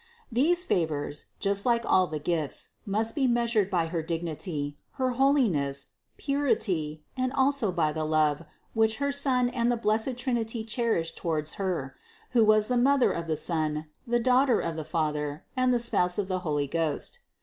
These favors, just like all the gifts, must be measured by her dignity, her holiness, purity, and also by the love, which her Son and the blessed Trinity cherished towards Her, who was the Mother of the Son, the Daughter of the Father, and the Spouse of the Holy Ghost.